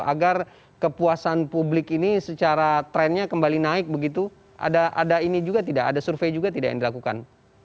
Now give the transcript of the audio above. agar kepuasan publik ini secara trendnya kembali naik begitu ada ini juga tidak ada survei juga tidak yang dilakukan